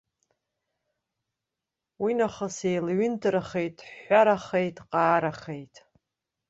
Уинахыс еилаҩынтрахеит, ҳәҳәарахеит, ҟаарахеит.